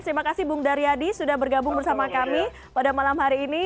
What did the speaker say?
terima kasih bung daryadi sudah bergabung bersama kami pada malam hari ini